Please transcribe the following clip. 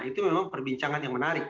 itu memang perbincangan yang menarik